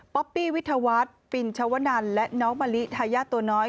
ปี้วิทยาวัฒน์ปินชวนันและน้องมะลิทายาทตัวน้อย